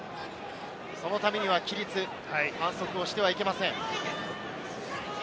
そのためには規律、反則をしてはいけません。